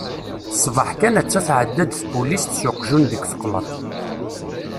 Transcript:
Ṣṣbeḥ kan atta tɛedda-d tpulist s uqjun deg teqlaṭ.